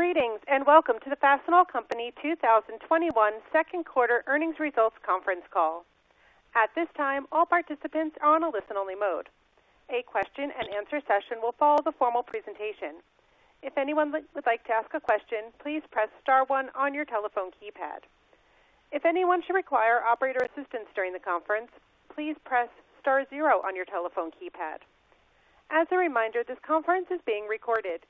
Greetings, and welcome to the Fastenal Company's 2021 Second Quarter Earnings Results Conference Call. At this time, all participants are in a listen-only mode. A question-and-answer session will follow the formal presentation. If anyone wishes to ask a question please press star one on your telephone keypad. If anyone should require operator assistance during the conference please press star zero on your telephone keypad. As a reminder this conference is being recorded.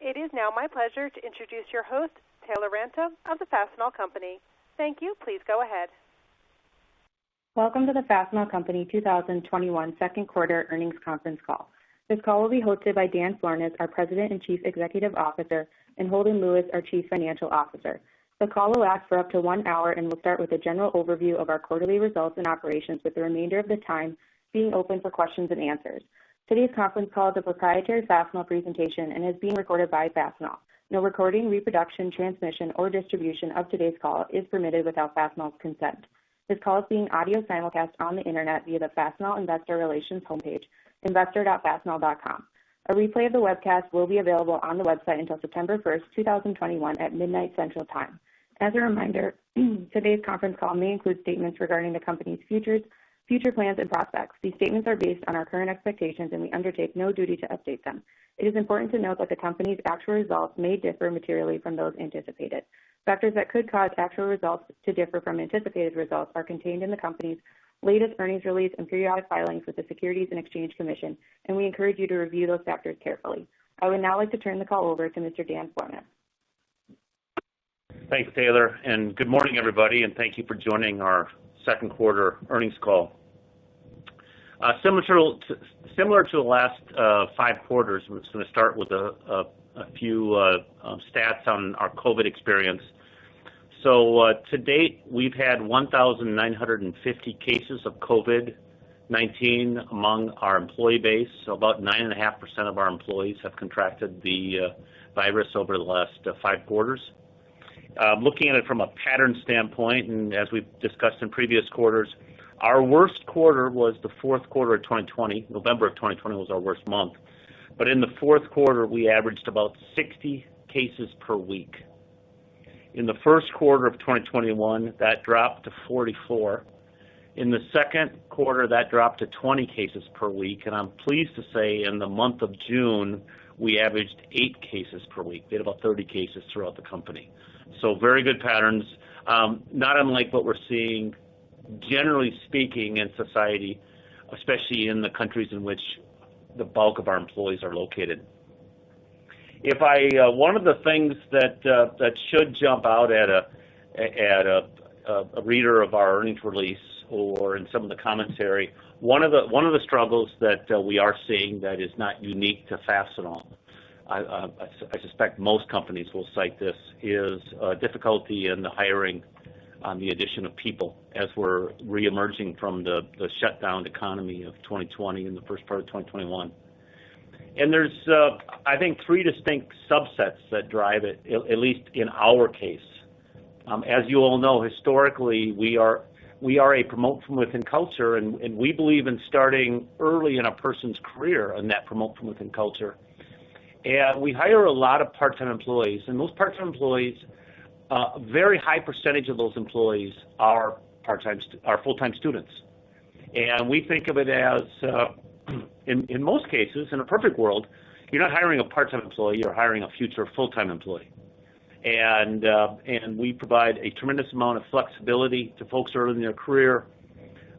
It is now my pleasure to introduce your host, Taylor Ranta of the Fastenal Company. Thank you. Please go ahead. Welcome to the Fastenal Company 2021 second quarter earnings conference call. This call will be hosted by Dan Florness, our President and Chief Executive Officer, and Holden Lewis, our Chief Financial Officer. The call will last for up to one hour and will start with a general overview of our quarterly results and operations, with the remainder of the time being open for questions and answers. Today's conference call is a proprietary Fastenal presentation and is being recorded by Fastenal. No recording, reproduction, transmission, or distribution of today's call is permitted without Fastenal's consent. This call is being audio and simulcast on the internet via the Fastenal Investor Relations homepage, investor.fastenal.com. A replay of the webcast will be available on the website until September 1st, 2021, at midnight Central Time. As a reminder, today's conference call may include statements regarding the company's future plans and prospects. These statements are based on our current expectations, and we undertake no duty to update them. It is important to note that the company's actual results may differ materially from those anticipated. Factors that could cause actual results to differ from anticipated results are contained in the company's latest earnings release and SEC filings with the Securities and Exchange Commission, and we encourage you to review those factors carefully. I would now like to turn the call over to Mr. Dan Florness. Thanks, Taylor, and good morning, everybody, and thank you for joining our second quarter earnings call. Similar to the last five quarters, I'm just going to start with a few stats on our COVID experience. To-date, we've had 1,950 cases of COVID-19 among our employee base. About 9.5% of our employees have contracted the virus over the last five quarters. Looking at it from a pattern standpoint, and as we've discussed in previous quarters, our worst quarter was the fourth quarter of 2020. November of 2020 was our worst month. In the fourth quarter, we averaged about 60 cases per week. In the first quarter of 2021, that dropped to 44. In the second quarter, that dropped to 20 cases per week, and I'm pleased to say in the month of June, we averaged eight cases per week. We had about 30 cases throughout the company. Very good patterns. Not unlike what we're seeing, generally speaking, in society, especially in the countries in which the bulk of our employees are located. One of the things that should jump out at a reader of our earnings release or in some of the commentary, one of the struggles that we are seeing that is not unique to Fastenal, I suspect most companies will cite this, is difficulty in the hiring on the addition of people as we're reemerging from the shutdown economy of 2020 and the first part of 2021. There's, I think, three distinct subsets that drive it, at least in our case. As you all know, historically, we are a promote-from-within culture, and we believe in starting early in a person's career in that promote-from-within culture. We hire a lot of part-time employees, and those part-time employees, a very high percentage of those employees are full-time students. We think of it as, in most cases, in a perfect world, you're not hiring a part-time employee, you're hiring a future full-time employee. We provide a tremendous amount of flexibility to folks early in their career.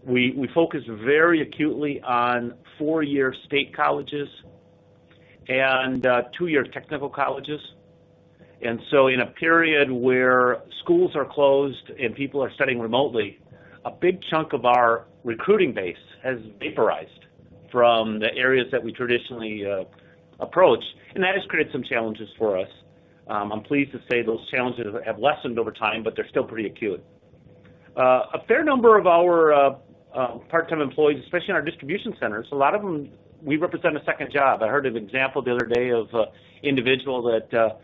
We focus very acutely on four-year state colleges and two-year technical colleges. In a period where schools are closed and people are studying remotely, a big chunk of our recruiting base has vaporized from the areas that we traditionally approach, and that has created some challenges for us. I'm pleased to say those challenges have lessened over time, but they're still pretty acute. A fair number of our part-time employees, especially in our distribution centers, a lot of them, we represent a second job. I heard an example the other day of an individual that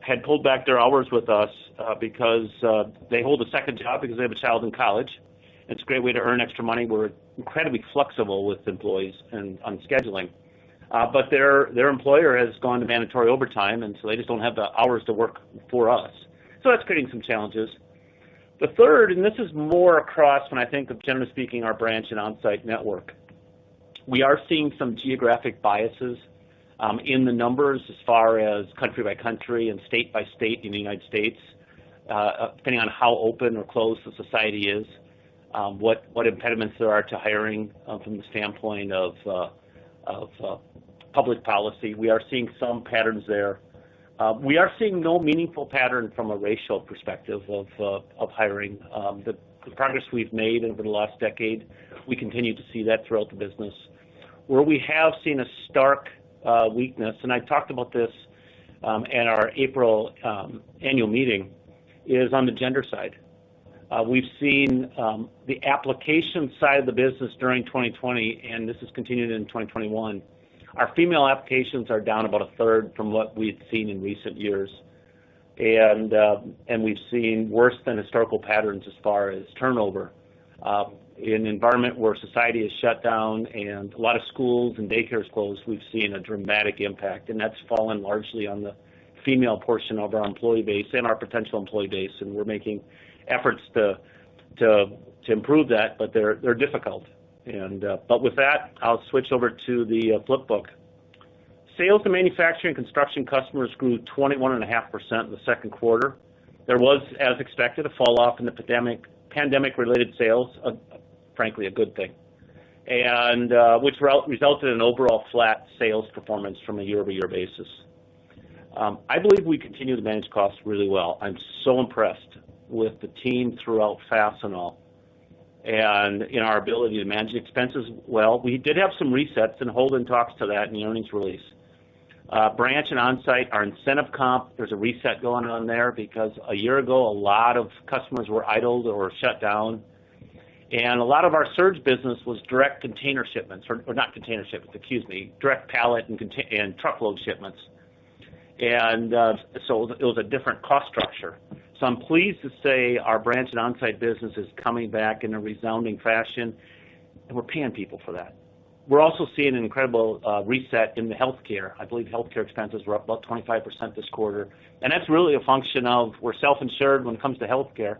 had pulled back their hours with us because they hold a second job because they have a child in college, and it's a great way to earn extra money. We're incredibly flexible with employees on scheduling. Their employer has gone to mandatory overtime, and so they just don't have the hours to work for us. That's creating some challenges. The third, this is more across when I think of, generally speaking, our branch and on-site network. We are seeing some geographic biases in the numbers as far as country by country and state-by-state in the United States depending on how open or closed the society is, what impediments there are to hiring from the standpoint of public policy. We are seeing some patterns there. We are seeing no meaningful pattern from a racial perspective of hiring. The progress we've made over the last decade, we continue to see that throughout the business. Where we have seen a stark weakness, and I talked about this in our April Annual Meeting, is on the gender side. We've seen the application side of the business during 2020, and this has continued into 2021. Our female applications are down about a third from what we've seen in recent years. We've seen worse than historical patterns as far as turnover. In an environment where society is shut down and a lot of schools and daycares closed, we've seen a dramatic impact, and that's fallen largely on the female portion of our employee base and our potential employee base, and we're making efforts to improve that, but they're difficult. With that, I'll switch over to the flipbook. Sales to manufacturing construction customers grew 21.5% in the second quarter. There was, as expected, a fall off in the pandemic-related sales, frankly, a good thing, and which resulted in overall flat sales performance from a year-over-year basis. I believe we continue to manage costs really well. I'm so impressed with the team throughout Fastenal and in our ability to manage expenses well. We did have some resets. Holden talks to that in the earnings release. Branch and Onsite, our incentive comp, there's a reset going on there because a year ago, a lot of customers were idled or shut down, and a lot of our surge business was direct container shipments, direct pallet and truckload shipments. It was a different cost structure. I'm pleased to say our branch and Onsite business is coming back in a resounding fashion. We're paying people for that. We're also seeing an incredible reset in the healthcare. I believe healthcare expenses were up about 25% this quarter, and that's really a function of we're self-insured when it comes to healthcare.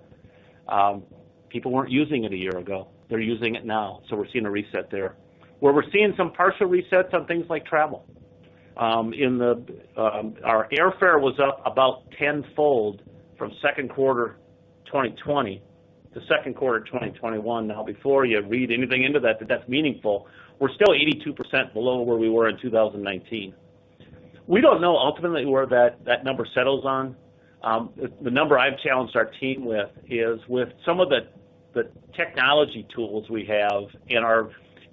People weren't using it a year ago. They're using it now. We're seeing a reset there. Where we're seeing some partial resets on things like travel. Our airfare was up about tenfold from second quarter 2020 to second quarter 2021. Now, before you read anything into that's meaningful, we're still 82% below where we were in 2019. We don't know ultimately where that number settles on. The number I've challenged our team with is with some of the technology tools we have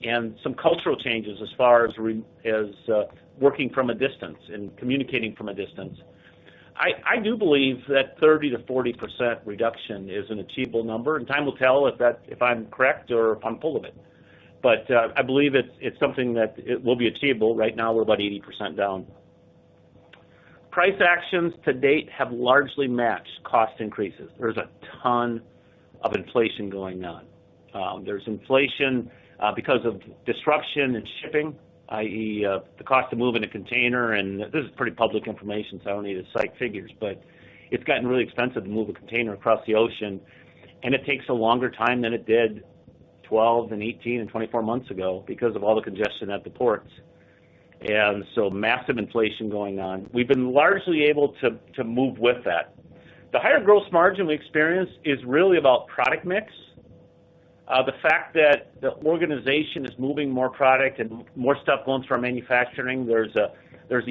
and some cultural changes as far as working from a distance and communicating from a distance. I do believe that 30%-40% reduction is an achievable number. Time will tell if I'm correct or if I'm full of it. I believe it's something that it will be achievable. Right now, we're about 80% down. Price actions to-date have largely matched cost increases. There's a ton of inflation going on. There's inflation because of disruption in shipping, i.e., the cost of moving a container. This is pretty public information, so I don't need to cite figures, but it's gotten really expensive to move a container across the ocean. It takes a longer time than it did 12 and 18 and 24 months ago because of all the congestion at the ports. Massive inflation going on. We've been largely able to move with that. The higher gross margin we experience is really about product mix. The fact that the organization is moving more product and more stuff going through our manufacturing, there's a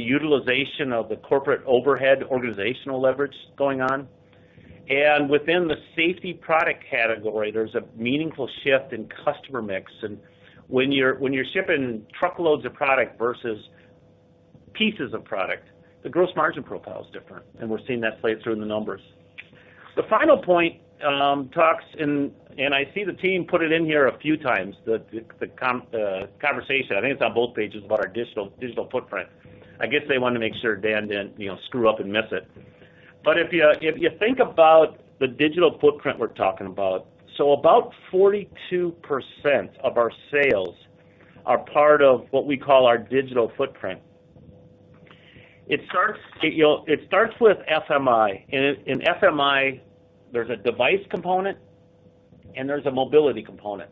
utilization of the corporate overhead organizational leverage going on. Within the safety product category, there's a meaningful shift in customer mix. When you're shipping truckloads of product versus pieces of product, the gross margin profile is different, and we're seeing that play through the numbers. The final point talks, and I see the team put it in here a few times, the conversation, I think it's on both pages, about our digital footprint. I guess they want to make sure Dan didn't screw up and miss it. If you think about the digital footprint we're talking about, so about 42% of our sales are part of what we call our digital footprint. It starts with FMI. In FMI, there's a device component and there's a mobility component.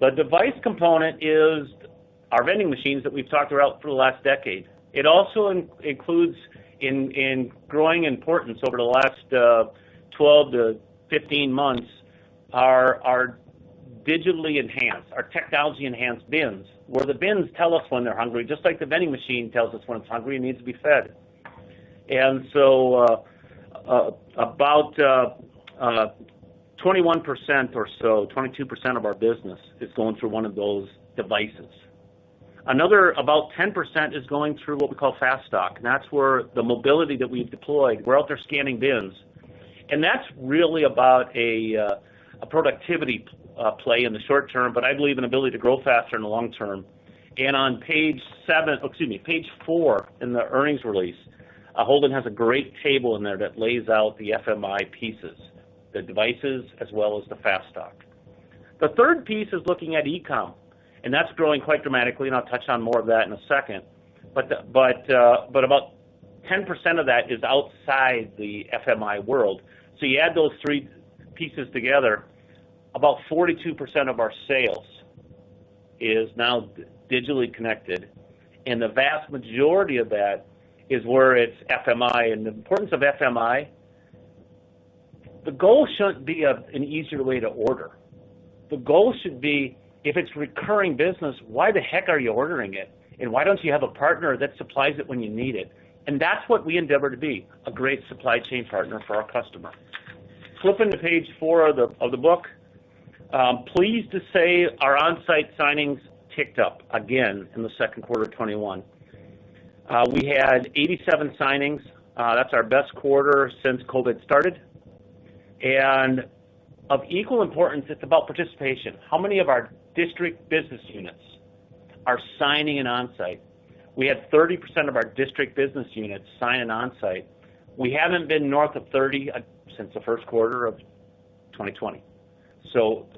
The device component is our vending machines that we've talked about through the last decade. It also includes, in growing importance over the last 12-15 months, our digitally enhanced, our technology-enhanced bins, where the bins tell us when they're hungry, just like the vending machine tells us when it's hungry, it needs to be fed. About 21% or so, 22% of our business is going through one of those devices. Another, about 10%, is going through what we call FASTStock, and that's where the mobility that we deploy, where they're scanning bins. That's really about a productivity play in the short term, but I believe an ability to grow faster in the long term. On page four in the earnings release, Holden has a great table in there that lays out the FMI pieces, the devices, as well as the FASTStock. The third piece is looking at e-com, and that's growing quite dramatically, and I'll touch on more of that in a second. About 10% of that is outside the FMI world. You add those three pieces together, about 42% of our sales is now digitally connected, and the vast majority of that is where it's FMI. The importance of FMI, the goal shouldn't be an easier way to order. The goal should be, if it's recurring business, why the heck are you ordering it? Why don't you have a partner that supplies it when you need it? That's what we endeavor to be, a great supply chain partner for our customer. Flipping to page four of the book, pleased to say our Onsite signings ticked up again in Q2 2021. We had 87 signings. That's our best quarter since COVID started. And of equal importance, it's about participation. How many of our district business units are signing an Onsite? We have 30% of our district business units sign Onsite. We haven't been north of 30% since the first quarter of 2020.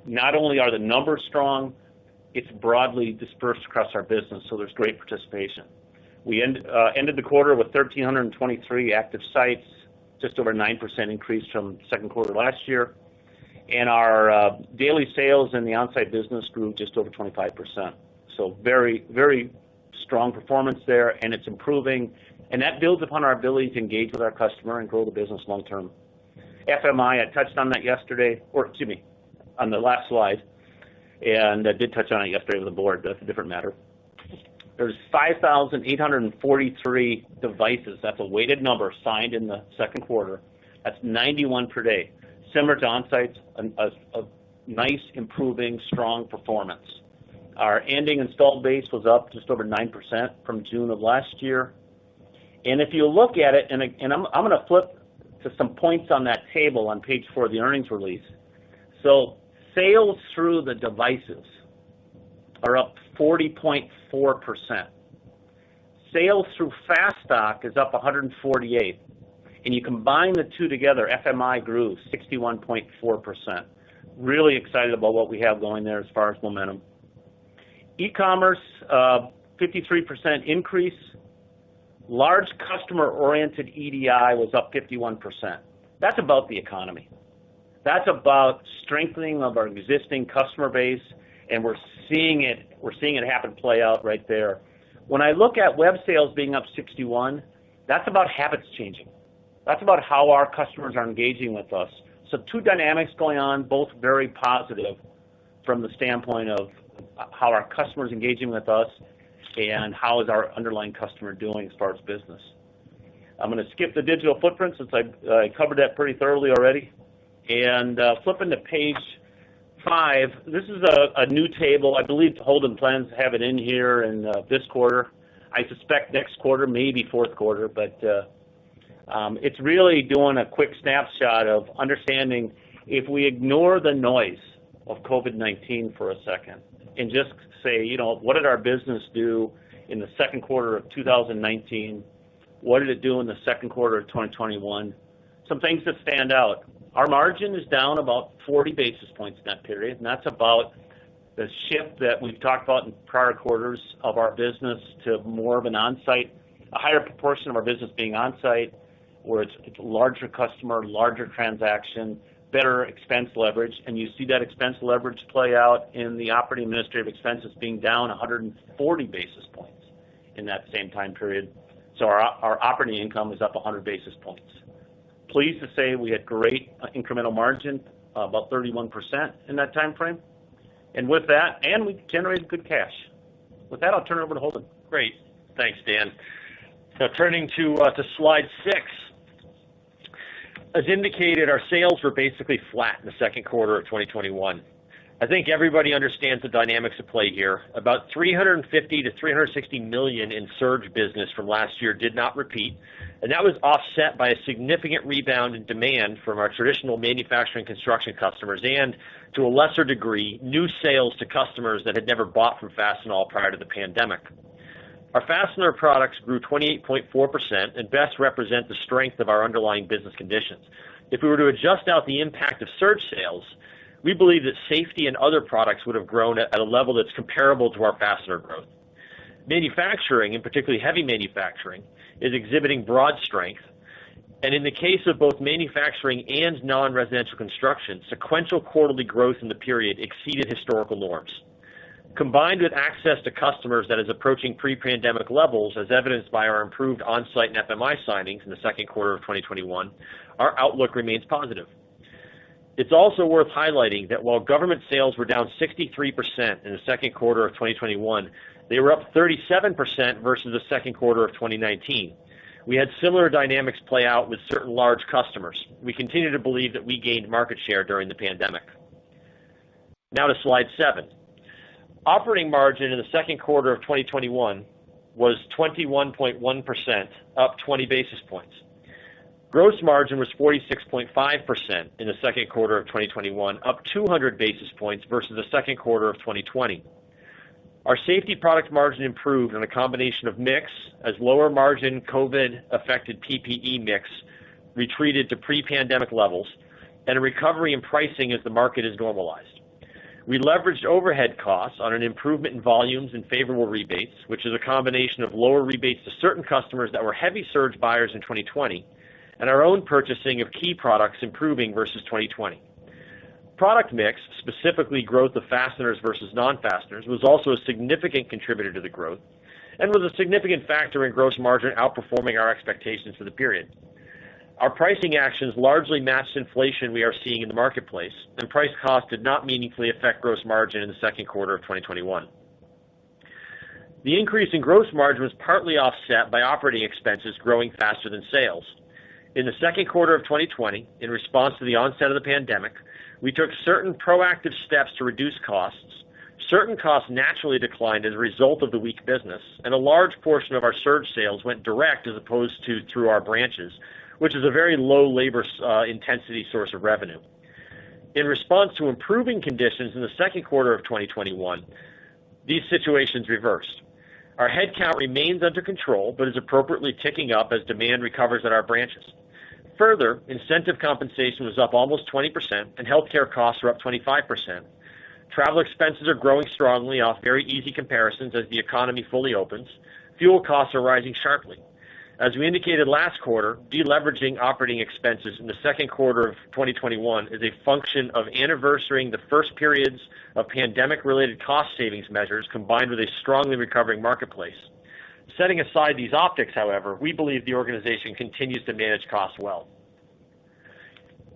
Not only are the numbers strong, it's broadly dispersed across our business, so there's great participation. We ended the quarter with 1,323 active sites, just over a 9% increase from the second quarter of last year. Our daily sales in the Onsite business grew just over 25%. Very strong performance there, and it's improving, and that builds upon our ability to engage with our customer and grow the business long term. FMI, I touched on that on the last slide, and I did touch on it yesterday with the board, but that's a different matter. There's 5,843 devices, that's a weighted number, signed in the second quarter. That's 91 per day. Similar to on sites, a nice, improving, strong performance. Our ending installed base was up just over 9% from June of last year. If you look at it, I'm going to flip to some points on that table on page four of the earnings release. Sales through the devices are up 40.4%. Sales through FASTStock is up 148%. You combine the two together, FMI grew 61.4%. Really excited about what we have going there as far as momentum. e-commerce, 53% increase. Large customer-oriented EDI was up 51%. That's about the economy. That's about strengthening of our existing customer base, and we're seeing it happen play out right there. When I look at web sales being up 61%, that's about habits changing. That's about how our customers are engaging with us. Two dynamics going on, both very positive from the standpoint of how our customers are engaging with us and how is our underlying customer doing as far as business. I'm going to skip the digital footprint since I covered that pretty thoroughly already, and flipping to page five. This is a new table. I believe Holden plans to have it in here in this quarter. I suspect next quarter, maybe fourth quarter. It's really doing a quick snapshot of understanding if we ignore the noise of COVID-19 for a second and just say, what did our business do in the second quarter of 2019? What did it do in the second quarter of 2021? Some things that stand out. Our margin is down about 40 basis points in that period. That's about the shift that we've talked about in prior quarters of our business to more of an Onsite, a higher proportion of our business being Onsite, where it's larger customer, larger transaction, better expense leverage. You see that expense leverage play out in the operating administrative expenses being down 140 basis points in that same time period. Our operating income was up 100 basis points. Pleased to say we had great incremental margin, about 31% in that time frame. With that, and we generated good cash. With that, I'll turn it over to Holden. Great. Thanks, Dan. Turning to slide six. As indicated, our sales were basically flat in the second quarter of 2021. I think everybody understands the dynamics at play here. About $350 million-$360 million in surge business from last year did not repeat, and that was offset by a significant rebound in demand from our traditional manufacturing construction customers and, to a lesser degree, new sales to customers that had never bought from Fastenal prior to the pandemic. Our fastener products grew 28.4% and best represent the strength of our underlying business conditions. If we were to adjust out the impact of surge sales, we believe that safety and other products would have grown at a level that's comparable to our fastener growth. Manufacturing, and particularly heavy manufacturing, is exhibiting broad strength, and in the case of both manufacturing and non-residential construction, sequential quarterly growth in the period exceeded historical norms. Combined with access to customers that is approaching pre-pandemic levels, as evidenced by our improved Onsite FMI signings in the second quarter of 2021, our outlook remains positive. It's also worth highlighting that while government sales were down 63% in the second quarter of 2021, they were up 37% versus the second quarter of 2019. We had similar dynamics play out with certain large customers. We continue to believe that we gained market share during the pandemic. Now to slide seven. Operating margin in the second quarter of 2021 was 21.1%, up 20 basis points. Gross margin was 46.5% in the second quarter of 2021, up 200 basis points versus the second quarter of 2020. Our safety product margin improved on a combination of mix as lower margin COVID-affected PPE mix retreated to pre-pandemic levels and a recovery in pricing as the market has normalized. We leveraged overhead costs on an improvement in volumes and favorable rebates, which is a combination of lower rebates to certain customers that were heavy surge buyers in 2020 and our own purchasing of key products improving versus 2020. Product mix, specifically growth of fasteners versus non-fasteners, was also a significant contributor to the growth and was a significant factor in gross margin outperforming our expectations for the period. Our pricing actions largely matched inflation we are seeing in the marketplace, and price cost did not meaningfully affect gross margin in the second quarter of 2021. The increase in gross margin was partly offset by operating expenses growing faster than sales. In the second quarter of 2020, in response to the onset of the pandemic, we took certain proactive steps to reduce costs. Certain costs naturally declined as a result of the weak business, and a large portion of our surge sales went direct as opposed to through our branches, which is a very low labor intensity source of revenue. In response to improving conditions in the second quarter of 2021, these situations reversed. Our headcount remains under control but is appropriately ticking up as demand recovers at our branches. Further, incentive compensation was up almost 20%, and healthcare costs are up 25%. Travel expenses are growing strongly off very easy comparisons as the economy fully opens. Fuel costs are rising sharply. As we indicated last quarter, deleveraging operating expenses in the second quarter of 2021 is a function of anniversarying the first periods of pandemic-related cost savings measures combined with a strongly recovering marketplace. Setting aside these optics, however, we believe the organization continues to manage costs well.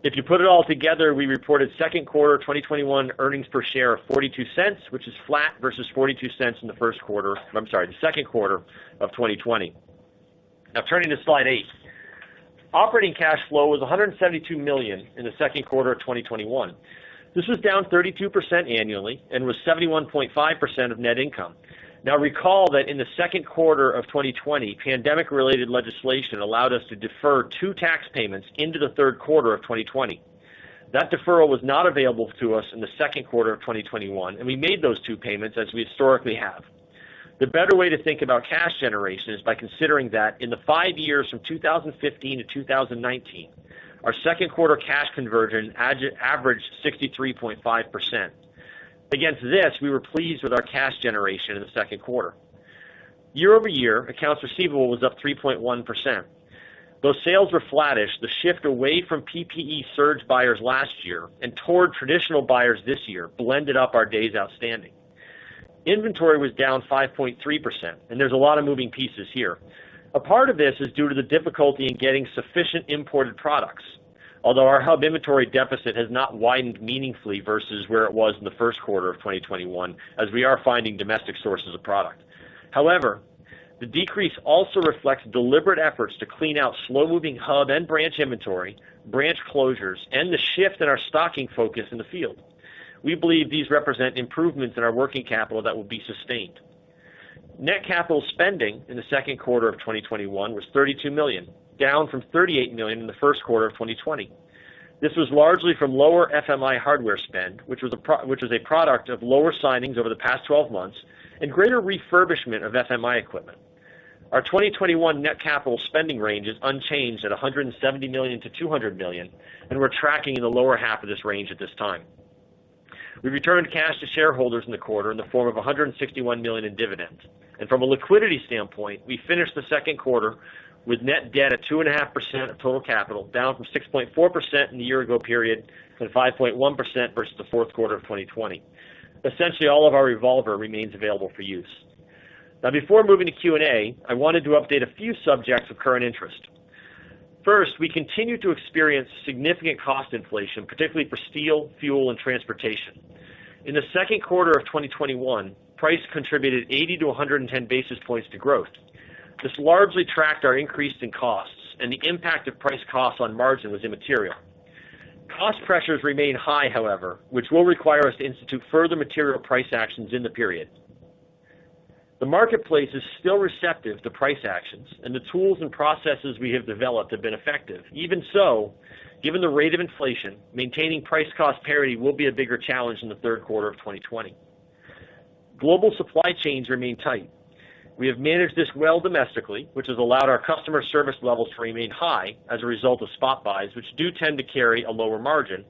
If you put it all together, we reported second quarter 2021 earnings per share of $0.42, which is flat versus $0.42 in the second quarter of 2020. Now turning to slide eight. Operating cash flow was $172 million in the second quarter of 2021. This was down 32% annually and was 71.5% of net income. Now recall that in the second quarter of 2020, pandemic-related legislation allowed us to defer two tax payments into the third quarter of 2020. That deferral was not available to us in the second quarter of 2021, and we made those two payments as we historically have. The better way to think about cash generation is by considering that in the five years from 2015 to 2019, our second quarter cash conversion averaged 63.5%. Against this, we were pleased with our cash generation in the second quarter. Year-over-year, accounts receivable was up 3.1%. Though sales were flattish, the shift away from PPE surge buyers last year and toward traditional buyers this year blended up our days outstanding. Inventory was down 5.3%. There's a lot of moving pieces here. A part of this is due to the difficulty in getting sufficient imported products, although our hub inventory deficit has not widened meaningfully versus where it was in the first quarter of 2021, as we are finding domestic sources of product. However, the decrease also reflects deliberate efforts to clean out slow-moving hub and branch inventory, branch closures, and the shift in our stocking focus in the field. We believe these represent improvements in our working capital that will be sustained. Net capital spending in the second quarter of 2021 was $32 million, down from $38 million in the first quarter of 2020. This was largely from lower FMI hardware spend, which was a product of lower signings over the past 12 months and greater refurbishment of FMI equipment. Our 2021 net capital spending range is unchanged at $170 million-$200 million, and we're tracking in the lower half of this range at this time. We returned cash to shareholders in the quarter in the form of $161 million in dividends, and from a liquidity standpoint, we finished the second quarter with net debt at 2.5% of total capital, down from 6.4% in the year-ago period and 5.1% versus the fourth quarter of 2020. Essentially all of our revolver remains available for use. Now before moving to Q&A, I wanted to update a few subjects of current interest. First, we continue to experience significant cost inflation, particularly for steel, fuel, and transportation. In the second quarter of 2021, price contributed 80-110 basis points to growth. This largely tracked our increase in costs, and the impact of price cost on margin was immaterial. Cost pressures remain high, however, which will require us to institute further material price actions in the period. The marketplace is still receptive to price actions, and the tools and processes we have developed have been effective. Even so, given the rate of inflation, maintaining price cost parity will be a bigger challenge in the third quarter of 2020. Global supply chains remain tight. We have managed this well domestically, which has allowed our customer service levels to remain high as a result of spot buys, which do tend to carry a lower margin,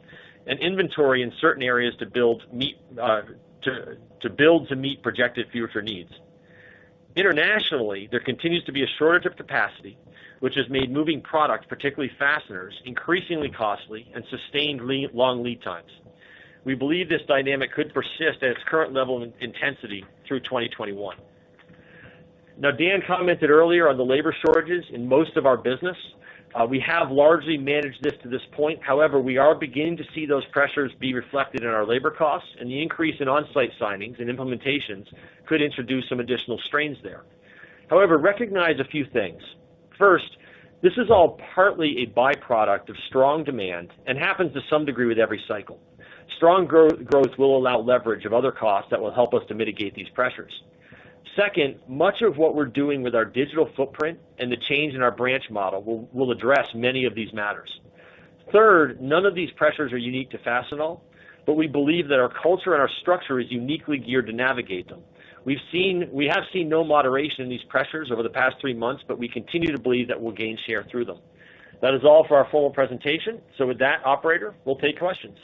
and inventory in certain areas to build to meet projected future needs. Internationally, there continues to be a shortage of capacity, which has made moving product, particularly fasteners, increasingly costly and sustained long lead times. We believe this dynamic could persist at its current level and intensity through 2021. Now, Dan commented earlier on the labor shortages in most of our business. We have largely managed this to this point. However, we are beginning to see those pressures be reflected in our labor costs, and the increase in on-site signings and implementations could introduce some additional strains there. Recognize a few things. First, this is all partly a byproduct of strong demand and happens to some degree with every cycle. Strong growth will allow leverage of other costs that will help us to mitigate these pressures. Second, much of what we're doing with our digital footprint and the change in our branch model will address many of these matters. Third, none of these pressures are unique to Fastenal, but we believe that our culture and our structure is uniquely geared to navigate them. We have seen no moderation in these pressures over the past three months, but we continue to believe that we'll gain share through them. That is all for our formal presentation. With that, operator, we'll take questions.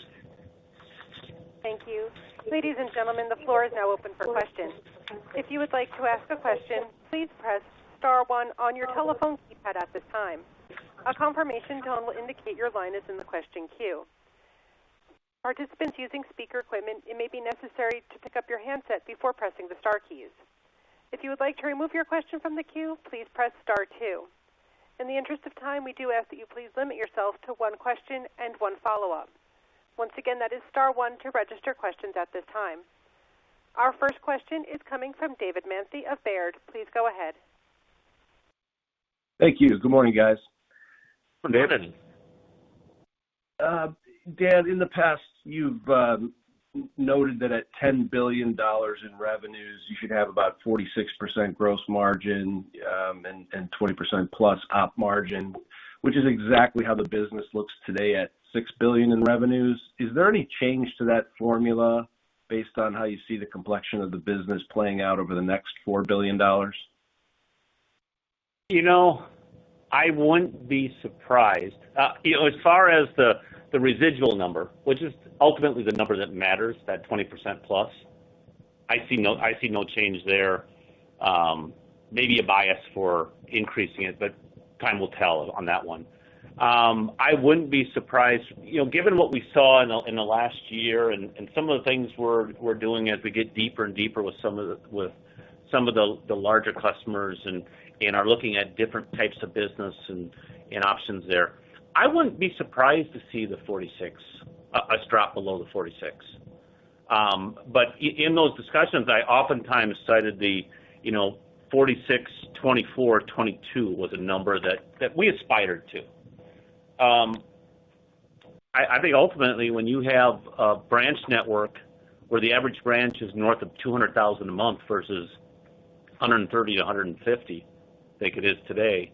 Thank you. Ladies and gentlemen, the floor is now open for questions. If you would like to ask a question, please press star one on your telephone keypad at this time. A confirmation tone will indicate your line is in the question queue. Participants using speaker equipment, it may be necessary to pick up your handset before pressing the star keys. If you would like to remove your question from the queue, please press star two. In the interest of time, we do ask that you please limit yourselves to one question and one follow-up. Once again, that is *1 to register questions at this time. Our first question is coming from David Manthey of Baird. Please go ahead. Thank you. Good morning, guys. Good morning. Dan, in the past, you've noted that at $10 billion in revenues, you should have about 46% gross margin and 20% plus op margin, which is exactly how the business looks today at $6 billion in revenues. Is there any change to that formula based on how you see the complexion of the business playing out over the next $4 billion? I wouldn't be surprised. As far as the residual number, which is ultimately the number that matters, that 20% plus, I see no change there. Maybe a bias for increasing it, time will tell on that one. I wouldn't be surprised, given what we saw in the last year and some of the things we're doing as we get deeper and deeper with some of the larger customers and are looking at different types of business and options there. I wouldn't be surprised to see us drop below the 46%. In those discussions, I oftentimes cited the 46%, 24%, 22% was a number that we aspired to. I think ultimately, when you have a branch network where the average branch is north of 200,000 a month versus 130,000-150,000 like it is today,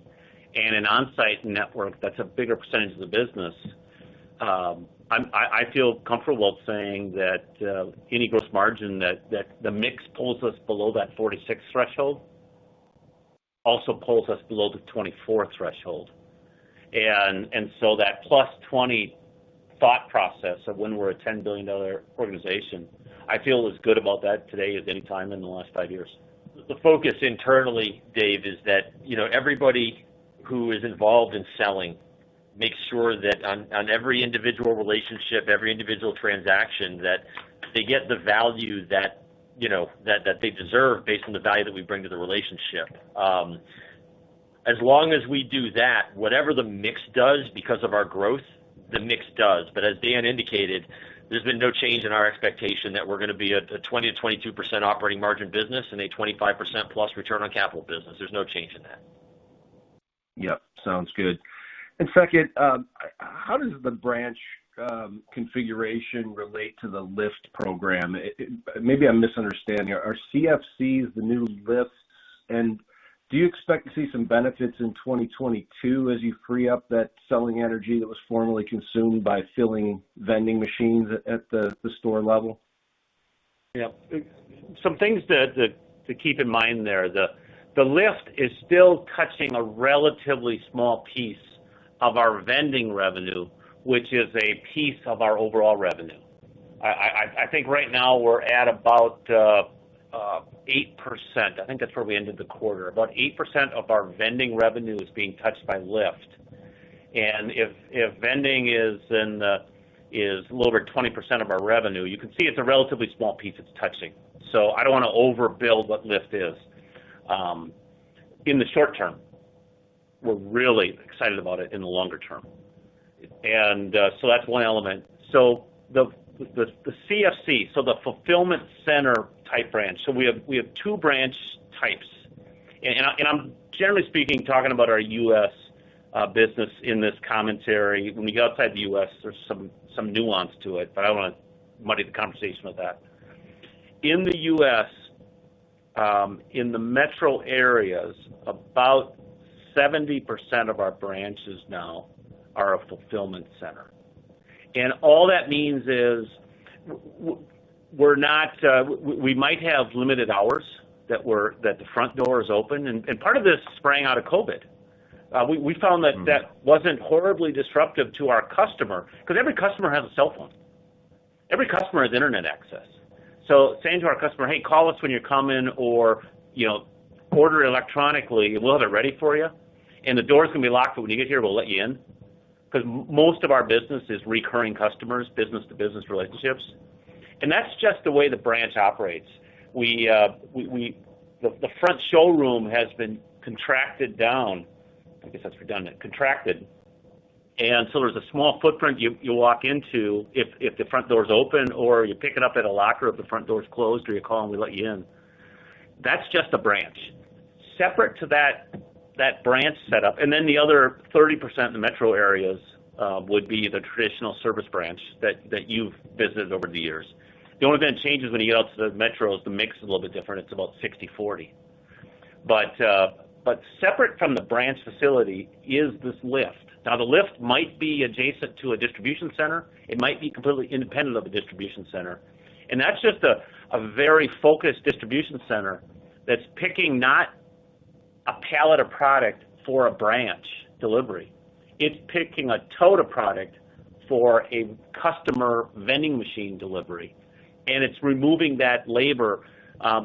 and an on-site network that's a bigger percentage of the business. I feel comfortable saying that any gross margin, that the mix pulls us below that 46% threshold also pulls us below the 24% threshold. That plus 20% thought process of when we're a $10 billion organization, I feel as good about that today as any time in the last five years. The focus internally, Dave, is that everybody who is involved in selling makes sure that on every individual relationship, every individual transaction, that they get the value that they deserve based on the value that we bring to the relationship. As long as we do that, whatever the mix does because of our growth, the mix does. As Dan indicated, there's been no change in our expectation that we're going to be at the 20%-22% operating margin business and a 25% plus return on capital business. There's no change in that. Yep, sounds good. Second, how does the branch configuration relate to the LIFT program? Maybe I'm misunderstanding here. Are CFCs the new LIFT, and do you expect to see some benefits in 2022 as you free up that selling energy that was formerly consumed by filling vending machines at the store level? Some things to keep in mind there. The LIFT is still touching a relatively small piece of our vending revenue, which is a piece of our overall revenue. I think right now we're at about 8%. I think that's where we ended the quarter. About 8% of our vending revenue is being touched by LIFT. If vending is a little over 20% of our revenue, you can see it's a relatively small piece it's touching. I don't want to overbuild what LIFT is in the short term. We're really excited about it in the longer term. That's one element. The CFC, the fulfillment center type branch. We have two branch types. I'm generally speaking talking about our U.S. business in this commentary. When we go outside the U.S., there's some nuance to it, but I don't want to muddy the conversation with that. In the U.S., in the metro areas, about 70% of our branches now are a fulfillment center. All that means is we might have limited hours that the front door is open. Part of this sprang out of COVID. We found that that wasn't horribly disruptive to our customer because every customer has a cell phone. Every customer has internet access. Saying to our customer, hey, call us when you come in, or, order electronically. We'll have it ready for you. The doors can be locked but when you get here, we'll let you in. Because most of our business is recurring customers, business-to-business relationships. That's just the way the branch operates. The front showroom has been contracted down. I think that's redundant. Contracted. There's a small footprint you walk into if the front door is open or you pick it up at a locker if the front door is closed or you call and we let you in. That's just a branch. Separate to that branch setup, the other 30% of the metro areas would be the traditional service branch that you've visited over the years. The only thing that changes when you get out to the metro is the mix is a little bit different. It's about 60/40. Separate from the branch facility is this LIFT. The LIFT might be adjacent to a distribution center. It might be completely independent of a distribution center. That's just a very focused distribution center that's picking not a pallet of product for a branch delivery. It's picking a tote of product for a customer vending machine delivery. It's removing that labor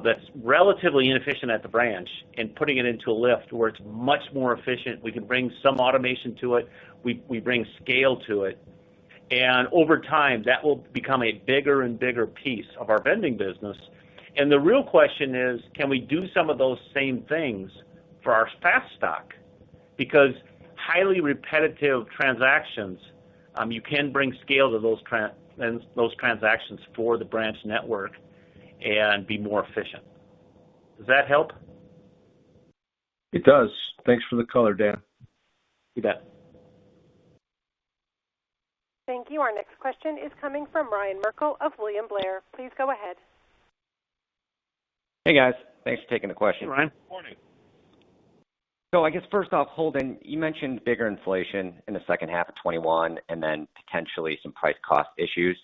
that's relatively inefficient at the branch and putting it into a LIFT where it's much more efficient. We can bring some automation to it. We bring scale to it. Over time, that will become a bigger and bigger piece of our vending business. The real question is: Can we do some of those same things for our FASTStock? Because highly repetitive transactions, you can bring scale to those transactions for the branch network. Be more efficient. Does that help? It does. Thanks for the color, Dan. You bet. Thank you. Our next question is coming from Ryan Merkel of William Blair. Please go ahead. Hey, guys. Thanks for taking the question. Ryan, morning. I guess first off, Holden, you mentioned bigger inflation in the second half of 2021, potentially some price cost issues.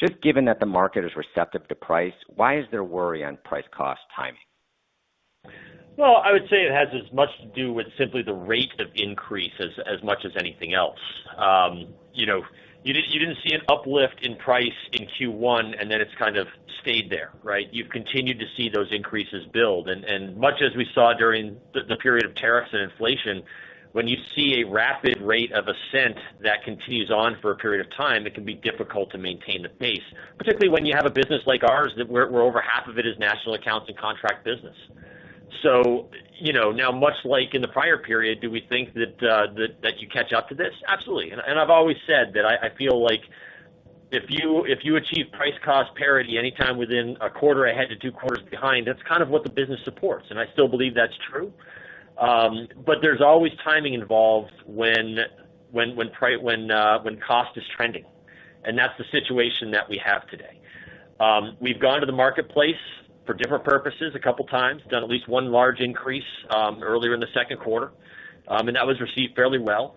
Just given that the market is receptive to price, why is there worry on price cost timing? Well, I would say it has as much to do with simply the rate of increase as much as anything else. Then it's kind of stayed there, right? You continue to see those increases build. Much as we saw during the period of tariffs and inflation, when you see a rapid rate of ascent that continues on for a period of time, it can be difficult to maintain the pace, particularly when you have a business like ours that where over half of it is national accounts and contract business. Now much like in the prior period, do we think that you catch up to this? Absolutely. I've always said that I feel like if you achieve price cost parity anytime within a quarter ahead to two quarters behind, that's kind of what the business supports. I still believe that's true. There's always timing involved when cost is trending. That's the situation that we have today. We've gone to the marketplace for different purposes a couple of times, done at least one large increase earlier in the second quarter. That was received fairly well.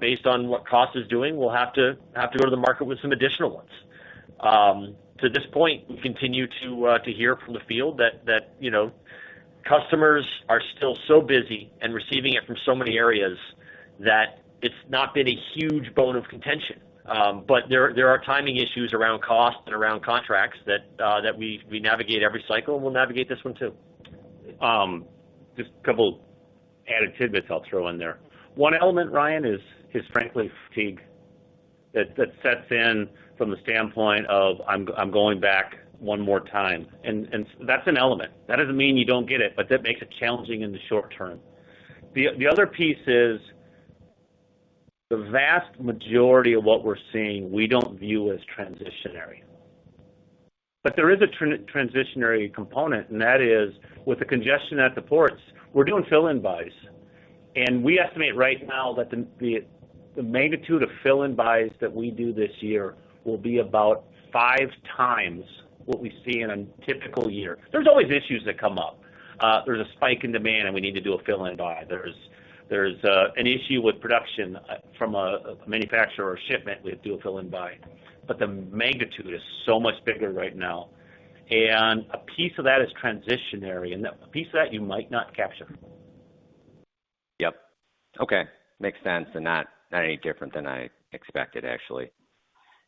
Based on what cost is doing, we'll have to go to the market with some additional ones. To this point, we continue to hear from the field that customers are still so busy and receiving it from so many areas that it's not been a huge bone of contention. There are timing issues around cost and around contracts that we navigate every cycle, and we'll navigate this one, too. Just a couple of added tidbits I'll throw in there. One element, Ryan, is frankly fatigue that sets in from the standpoint of I'm going back one more time. That's an element. That doesn't mean you don't get it, but that makes it challenging in the short term. The other piece is the vast majority of what we're seeing, we don't view as transitionary. There is a transitionary component, and that is with the congestion at the ports, we're doing fill-in buys. We estimate right now that the magnitude of fill-in buys that we do this year will be about five times what we see in a typical year. There's always issues that come up. There's a spike in demand, and we need to do a fill-in buy. There's an issue with production from a manufacturer or shipment, we have to do a fill-in buy. The magnitude is so much bigger right now. A piece of that is transitionary, and a piece of that you might not capture. Yep. Okay. Makes sense. Not any different than I expected, actually.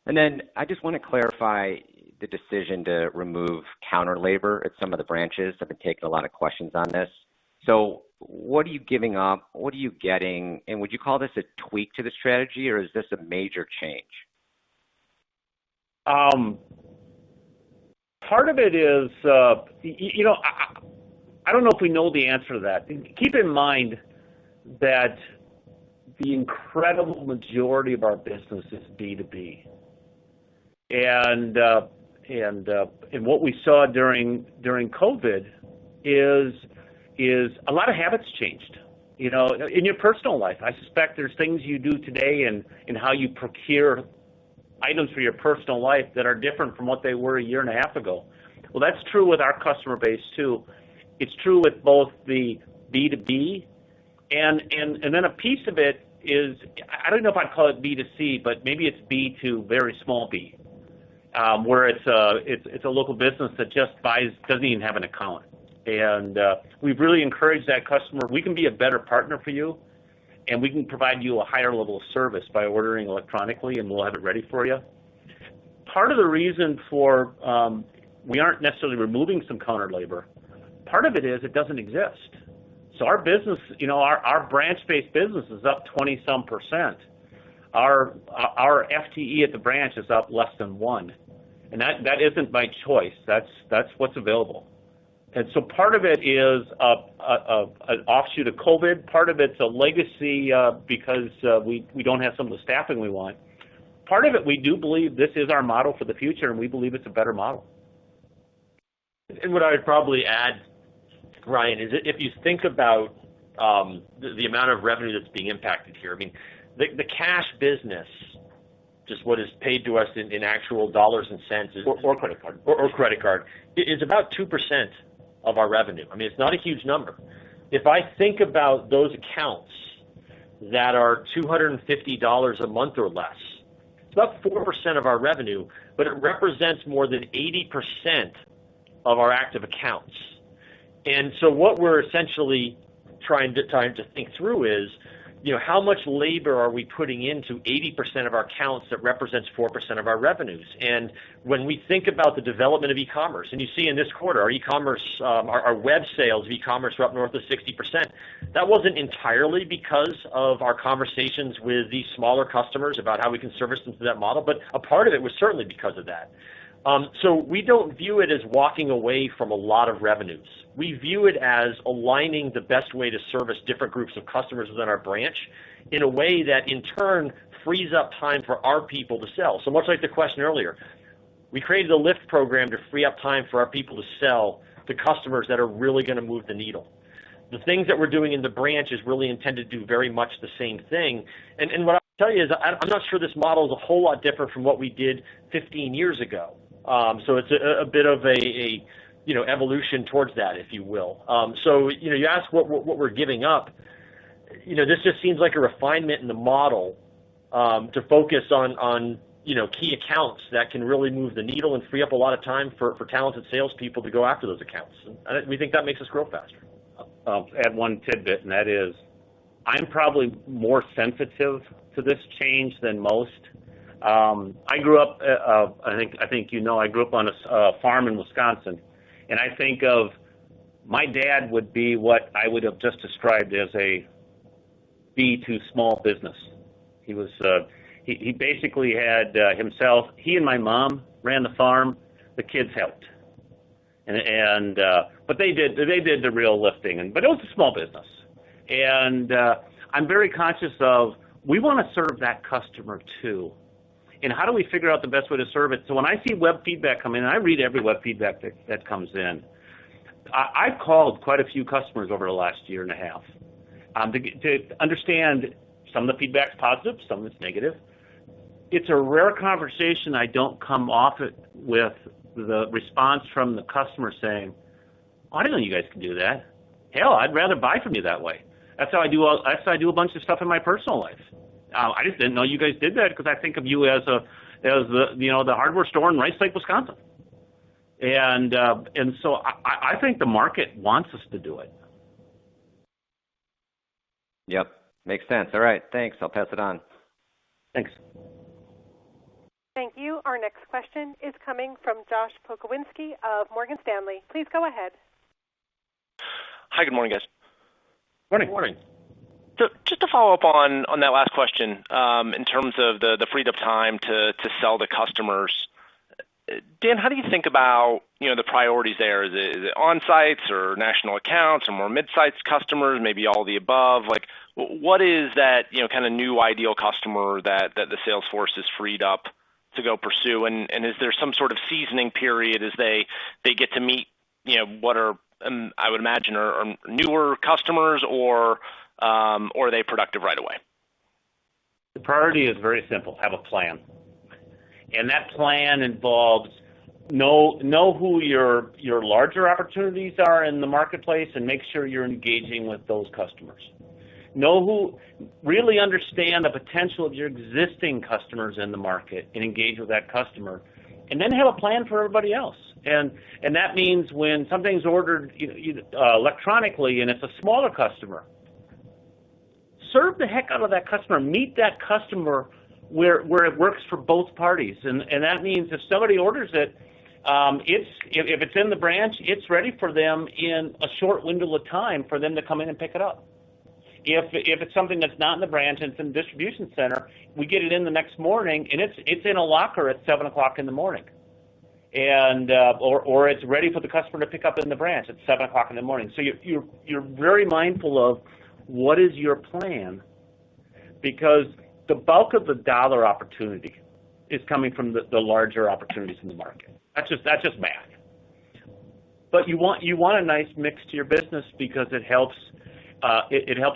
I just want to clarify the decision to remove counter labor at some of the branches. I've been taking a lot of questions on this. What are you giving up? What are you getting? Would you call this a tweak to the strategy, or is this a major change? Part of it is, I don't know if we know the answer to that. Keep in mind that the incredible majority of our business is B2B. What we saw during COVID is a lot of habits changed. In your personal life, I suspect there's things you do today in how you procure items for your personal life that are different from what they were a year and a half ago. Well, that's true with our customer base, too. It's true with both the B2B, a piece of it is, I don't know if I'd call it B2C, but maybe it's B to very small B, where it's a local business that just buys, doesn't even have an account. We've really encouraged that customer, we can be a better partner for you, and we can provide you a higher level of service by ordering electronically, and we'll have it ready for you. Part of the reason for we aren't necessarily removing some counter labor, part of it is it doesn't exist. Our branch-based business is up 20-some%. Our FTE at the branch is up less than one. That isn't by choice. That's what's available. Part of it is an offshoot of COVID. Part of it's a legacy because we don't have some of the staffing we want. Part of it, we do believe this is our model for the future, and we believe it's a better model. What I'd probably add, Ryan, is if you think about the amount of revenue that's being impacted here, the cash business, just what is paid to us in actual dollars and cents Credit card. or credit card, is about 2% of our revenue. It's not a huge number. If I think about those accounts that are $250 a month or less, it's about 4% of our revenue, but it represents more than 80% of our active accounts. What we're essentially trying to think through is how much labor are we putting into 80% of our accounts that represents 4% of our revenues? When we think about the development of e-commerce, and you see in this quarter, our web sales of e-commerce were up north of 60%. That wasn't entirely because of our conversations with these smaller customers about how we can service them through that model, but a part of it was certainly because of that. We don't view it as walking away from a lot of revenues. We view it as aligning the best way to service different groups of customers within our branch. In a way that in turn frees up time for our people to sell. Much like the question earlier, we created the LIFT program to free up time for our people to sell to customers that are really going to move the needle. The things that we're doing in the branch is really intended to do very much the same thing. What I'll tell you is I'm not sure this model is a whole lot different from what we did 15 years ago. It's a bit of an evolution towards that, if you will. You ask what we're giving up. This just seems like a refinement in the model, to focus on key accounts that can really move the needle and free up a lot of time for talented salespeople to go after those accounts. We think that makes us grow faster. I'll add one tidbit, and that is, I'm probably more sensitive to this change than most. I think you know I grew up on a farm in Wisconsin, and I think of my dad would be what I would've just described as a B to small business. He basically had himself. He and my mom ran the farm, the kids helped. They did the real lifting, it was a small business. I'm very conscious of we want to serve that customer too, and how do we figure out the best way to serve it? When I see web feedback come in, I read every web feedback that comes in. I called quite a few customers over the last year and a half, to understand some of the feedback's positive, some of it's negative. It's a rare conversation I don't come off it with the response from the customer saying, oh, I didn't know you guys can do that. Hell, I'd rather buy from you that way. That's how I do a bunch of stuff in my personal life. I just didn't know you guys did that because I think of you as the hardware store in White Lake, Wisconsin. I think the market wants us to do it. Yep. Makes sense. All right. Thanks. I'll pass it on. Thanks. Thank you. Our next question is coming from Josh Pokrzywinski of Morgan Stanley. Please go ahead. Hi, good morning, guys. Morning. Just to follow up on that last question, in terms of the freed-up time to sell to customers. Dan, how do you think about the priorities there? Is it on-sites or national accounts or more mid-size customers, maybe all the above? What is that kind of new ideal customer that the sales force has freed up to go pursue? Is there some sort of seasoning period as they get to meet what are, I would imagine, are newer customers or are they productive right away? The priority is very simple, have a plan. That plan involves know who your larger opportunities are in the marketplace and make sure you're engaging with those customers. Really understand the potential of your existing customers in the market and engage with that customer. Then have a plan for everybody else. That means when something's ordered electronically, and it's a smaller customer, serve the heck out of that customer, meet that customer where it works for both parties. That means if somebody orders it, if it's in the branch, it gets ready for them in a short window of time for them to come in and pick it up. If it's something that's not in the branch, it's in the distribution center, we get it in the next morning, and it's in a locker at 7:00 A.M. It's ready for the customer to pick up in the branch at 7:00 in the morning. You're very mindful of what is your plan because the bulk of the dollar opportunity is coming from the larger opportunities in the market. That's just math. You want a nice mix to your business because it helps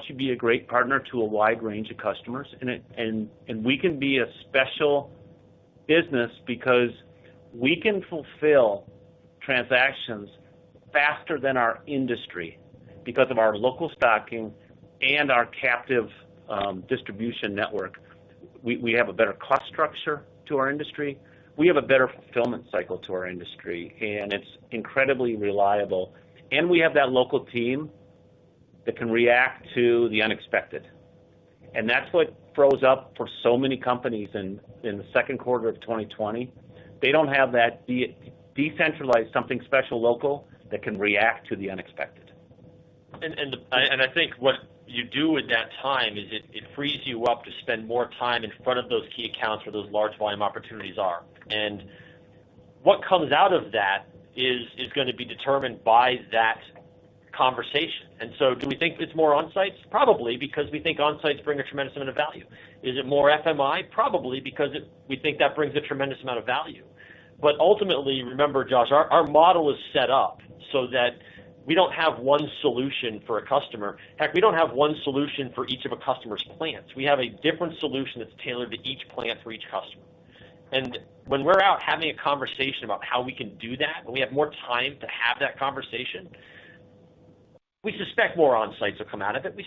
you be a great partner to a wide range of customers. We can be a special business because we can fulfill transactions faster than our industry because of our local stocking and our captive distribution network. We have a better cost structure to our industry. We have a better fulfillment cycle to our industry, and it's incredibly reliable. We have that local team that can react to the unexpected, and that's what froze up for so many companies in the second quarter of 2020. They don't have that decentralized something special local that can react to the unexpected. I think what you do with that time is it frees you up to spend more time in front of those key accounts where those large volume opportunities are. What comes out of that is going to be determined by that conversation. Do we think it's more on-sites? Probably, because we think on-sites bring a tremendous amount of value. Is it more FMI? Probably, because we think that brings a tremendous amount of value. Ultimately, remember, Josh, our model is set up so that we don't have one solution for a customer. Heck, we don't have one solution for each of a customer's plants. We have a different solution that's tailored to each plant for each customer. When we're out having a conversation about how we can do that, and we have more time to have that conversation, we suspect more on-sites will come out of it. We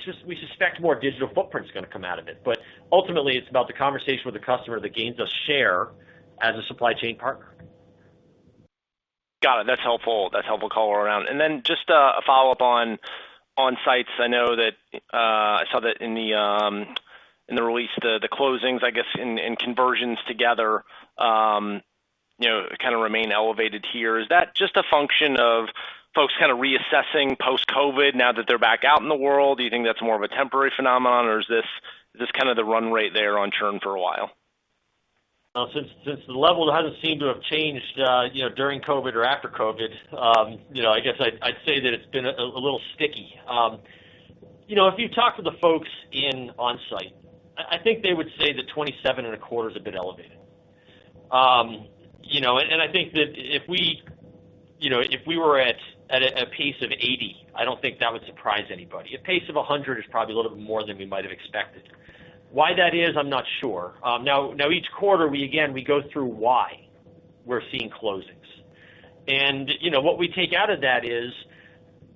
suspect more digital footprint's going to come out of it. Ultimately, it's about the conversation with the customer that gains us share as a supply chain partner. Got it. That's helpful. That's helpful color around. Then just to follow up on on-sites, I saw that in the release, the closings, I guess, and conversions together kind of remain elevated here. Is that just a function of folks kind of reassessing post-COVID now that they're back out in the world? Do you think that's more of a temporary phenomenon, or is this kind of the run rate there on churn for a while? Since the level hasn't seemed to have changed during COVID or after COVID, I guess I'd say that it's been a little sticky. If you talk to the folks in Onsite, I think they would say that 27.25% is a bit elevated. I think that if we were at a pace of 80, I don't think that would surprise anybody. A pace of 100 is probably a little bit more than we might have expected. Why that is, I'm not sure. Each quarter, again, we go through why we're seeing closings. What we take out of that is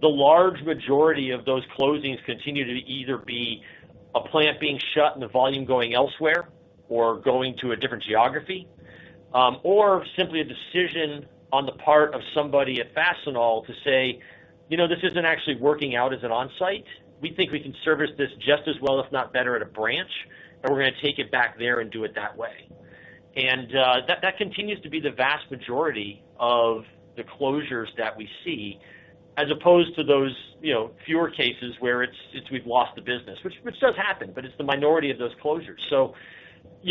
the large majority of those closings continue to either be a plant being shut and the volume going elsewhere or going to a different geography, or simply a decision on the part of somebody at Fastenal to say, this isn't actually working out as an Onsite. We think we can service this just as well, if not better, at a branch, and we're going to take it back there and do it that way. That continues to be the vast majority of the closures that we see, as opposed to those fewer cases where it's we've lost the business, which does happen, but it's the minority of those closures. In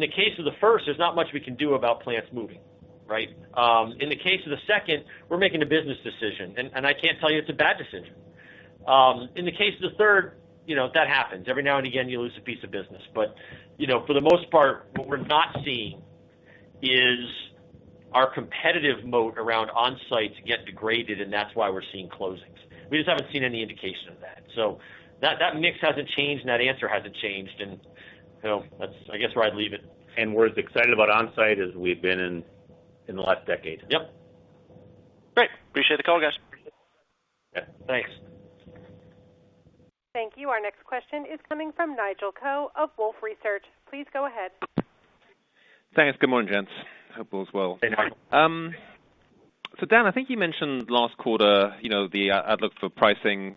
the case of the first, there's not much we can do about plants moving, right? In the case of the second, we're making a business decision, and I can't tell you it's a bad decision. In the case of the third, that happens. Every now and again, you lose a piece of business. For the most part, what we're not seeing is our competitive moat around Onsite to get degraded, and that's why we're seeing closings. We just haven't seen any indication of that. That mix hasn't changed, and that answer hasn't changed, and that's I guess where I'd leave it. We're as excited about Onsite as we've been in the last decade. Yep. Great. Appreciate the color guys. Yeah, thanks. Thank you. Our next question is coming from Nigel Coe of Wolfe Research. Please go ahead. Thanks. Good morning, gents. Hope all is well. Hey, Nigel. Dan, I think you mentioned last quarter the outlook for pricing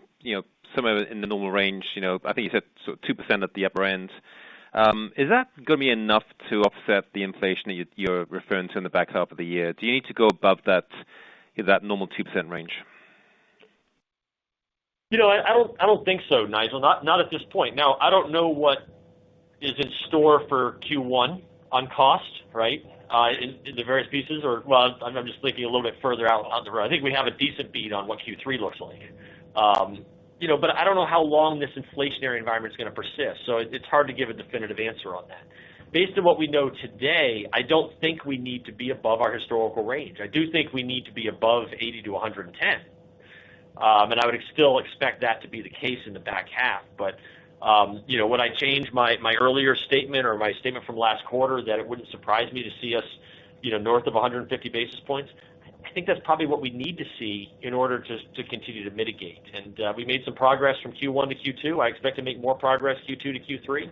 somewhere in the normal range. I think you said 2% at the upper end. Is that going to be enough to offset the inflation that you're referring to in the back half of the year? Do you need to go above that normal 2% range? I don't think so, Nigel, not at this point. I don't know what is in store for Q1 on cost, right, in the various pieces. Well, I'm just thinking a little bit further out on the road. I think we have a decent beat on what Q3 looks like. I don't know how long this inflationary environment is going to persist, so it's hard to give a definitive answer on that. Based on what we know today, I don't think we need to be above our historical range. I do think we need to be above 80 to 110 basis points, and I would still expect that to be the case in the back half. When I changed my earlier statement or my statement from last quarter that it wouldn't surprise me to see us north of 150 basis points, I think that's probably what we need to see in order to continue to mitigate. We made some progress from Q1 to Q2. I expect to make more progress Q2 to Q3,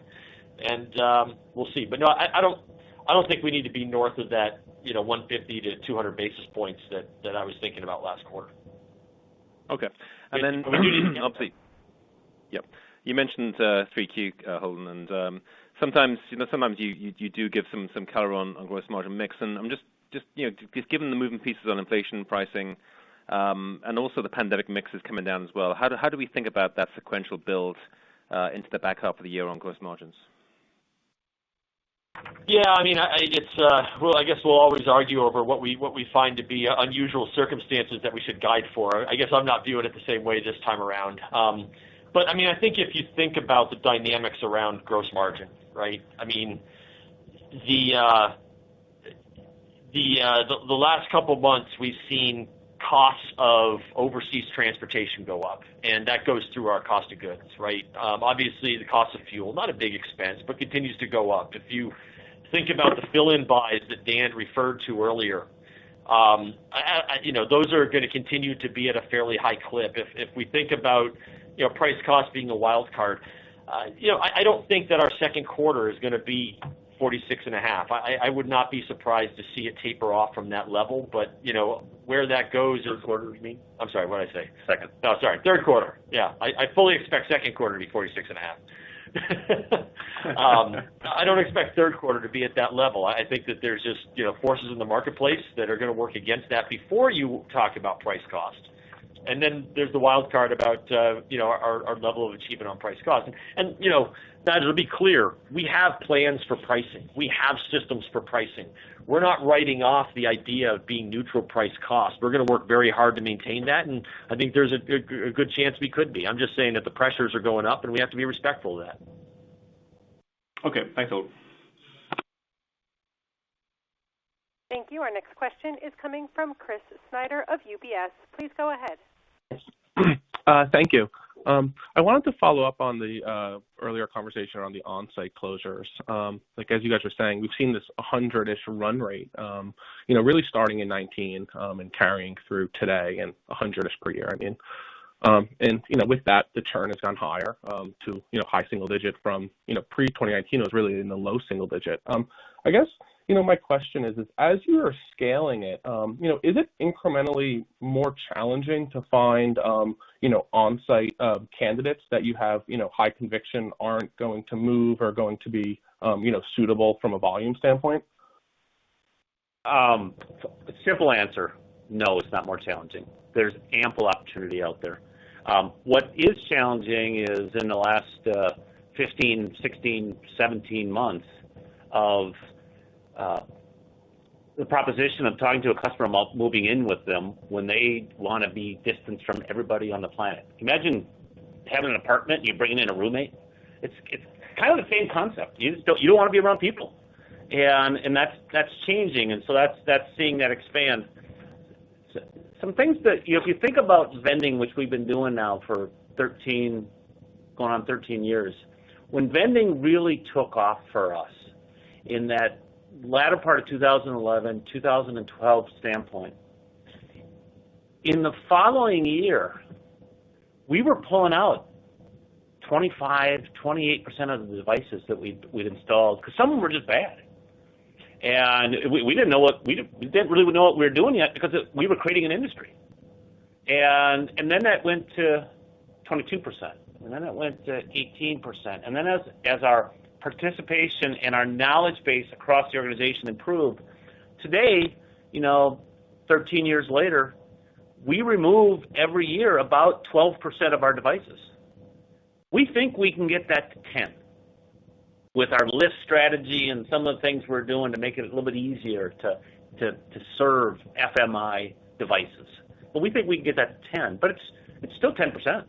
and we'll see. No, I don't think we need to be north of that 150-200 basis points that I was thinking about last quarter. Okay. Then I'll see. Yep. You mentioned 3Q, Holden, and sometimes you do give some color on gross margin mix, and just given the moving pieces on inflation pricing and also the pandemic mix is coming down as well, how do we think about that sequential build into the back half of the year on gross margins? Yeah. Well, I guess we'll always argue over what we find to be unusual circumstances that we should guide for. I guess I'm not viewing it the same way this time around. If you think about the dynamics around gross margin, right? The last couple of months, we've seen costs of overseas transportation go up, and that goes through our cost of goods, right? Obviously, the cost of fuel, not a big expense, but continues to go up. If you think about the fill-in buys that Dan referred to earlier, those are going to continue to be at a fairly high clip. If we think about price cost being a wildcard, I don't think that our second quarter is going to be 46.5%. I would not be surprised to see it taper off from that level. Third quarter, you mean? I'm sorry, what did I say? Second. Oh, sorry. Third quarter. Yeah. I fully expect second quarter to be 46.5%. I don't expect third quarter to be at that level. I think that there's just forces in the marketplace that are going to work against that before you talk about price cost. Then there's the wildcard about our level of achievement on price cost. And then to be clear, we have plans for pricing. We have systems for pricing. We're not writing off the idea of being neutral price cost. We're going to work very hard to maintain that, and I think there's a good chance we could be. I'm just saying that the pressures are going up, and we have to be respectful of that. Okay. Thanks a lot. Thank you. Our next question is coming from Chris Snyder of UBS. Please go ahead. Thank you. I wanted to follow up on the earlier conversation on the Onsite closures. As you guys are saying, we've seen this 100-ish run-rate really starting in 2019 and carrying through today and 100-ish per year. With that, the churn is on higher to high single digit from pre-2019 was really in the low single digit. My question is, as you are scaling it, is it incrementally more challenging to find Onsite candidates that you have high conviction aren't going to move or going to be suitable from a volume standpoint? Simple answer, no, it's not more challenging. There's ample opportunity out there. What is challenging is in the last 15, 16, 17 months of the proposition of talking to a customer about moving in with them when they want to be distanced from everybody on the planet. Imagine having an apartment, you bring in a roommate. It's kind of the same concept. You don't want to be around people, and that's changing, and so that's seeing that expand. Some things that if you think about vending, which we've been doing now for going on 13 years, when vending really took off for us in that latter part of 2011, 2012 standpoint, in the following year, we were pulling out 25%-28% of the devices that we'd installed because some of them were just bad. We didn't really know what we were doing yet because we were creating an industry. That went to 22%, and then it went to 18%. As our participation and our knowledge base across the organization improved, today 13 years later, we remove every year about 12% of our devices. We think we can get that to 10% with our list strategy and some of the things we're doing to make it a little bit easier to serve FMI devices. We think we can get that to 10%, but it's still 10%.